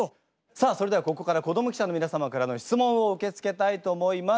さあそれではここから子ども記者の皆様からの質問を受け付けたいと思います。